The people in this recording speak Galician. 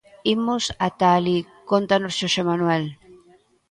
Imos ata alí, cóntanos Xosé Manuel.